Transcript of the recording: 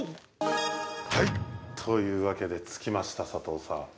というわけで着きました佐藤さん。